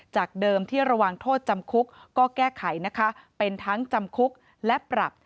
จากเดิมที่ระวังโทษจำคุกก็แก้ไขนะคะเป็นทั้งจำคุกและปรับ